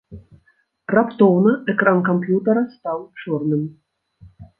Раптоўна экран камп'ютара стаў чорным.